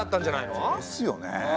ですよねえ。